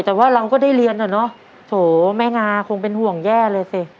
แต่ว่าเราก็ได้เรียนอะเนาะโถแม่งาคงเป็นห่วงแย่เลยสิ